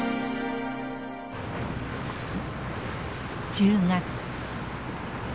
１０月。